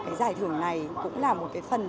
cái giải thưởng này cũng là một phần